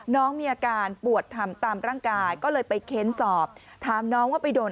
น้องมีอาการปวดทำตามร่างกายก็เลยไปเค้นสอบถามน้องว่าไปโดน